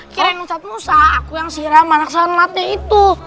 kirain ustadz musa aku yang siram anak sanlatnya itu